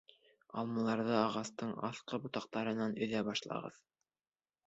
Алмаларҙы ағастың аҫҡы ботаҡтарынан өҙә башлағыҙ.